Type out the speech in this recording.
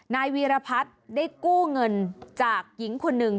นายวีรพัฒน์ได้กู้เงินจากหญิงคนหนึ่ง